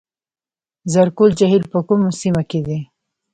زرکول جهیل په کومه سیمه کې دی؟